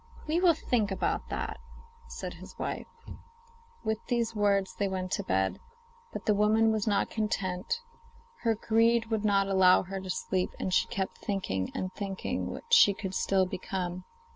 'We will think about that,' said his wife. With these words they went to bed. But the woman was not content; her greed would not allow her to sleep, and she kept on thinking and thinking what she could still become.